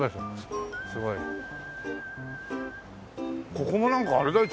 ここもなんかあれだよ